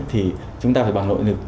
thì chúng ta phải bằng nội lực